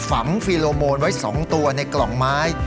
ฟีโลโมนไว้๒ตัวในกล่องไม้